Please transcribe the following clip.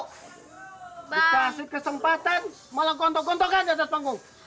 dikasih kesempatan malah kontok kontokan di atas panggung